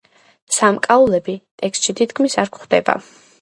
სამკაულები ტექსტში თითქმის არ გვხვდება.